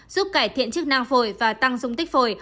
giúp cải thiện chức năng phổi và tăng dung tích phổi